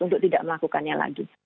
untuk tidak melakukannya lagi